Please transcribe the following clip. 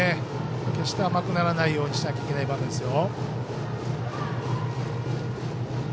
決して甘くならないようにしなきゃいけない場面ですよ。